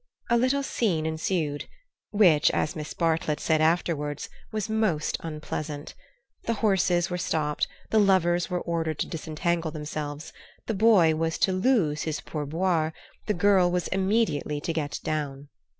A little scene ensued, which, as Miss Bartlett said afterwards, was most unpleasant. The horses were stopped, the lovers were ordered to disentangle themselves, the boy was to lose his pourboire, the girl was immediately to get down.